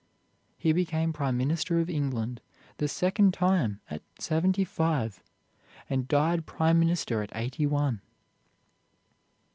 He became Prime Minister of England the second time at seventy five, and died Prime Minister at eighty one.